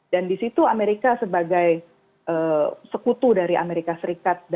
dan di situ amerika sebagai sekutu dari amerika serikat